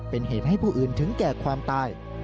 เป็นเหตุให้ผู้อื่นถึงแก่ความตาย